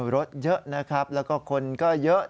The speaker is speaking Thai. รถเยอะนะครับแล้วก็คนก็เยอะ